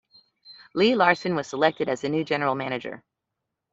Lee Larson was selected as the new General Manager.